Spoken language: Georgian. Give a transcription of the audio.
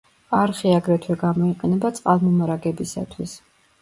არხი აგრეთვე გამოიყენება წყალმომარაგებისათვის.